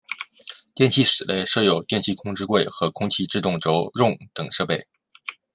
电气室内设有电气控制柜和空气制动轴重等设备。